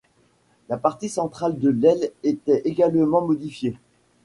La partie centrale de l'aile était également modifiée.